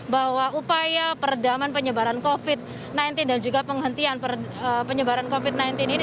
bahwa upaya peredaman penyebaran covid sembilan belas dan juga penghentian penyebaran covid sembilan belas ini